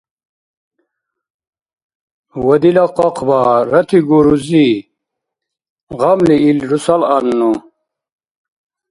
– Ва дила къакъба, ратигу рузи, гъамли ил русалъанну.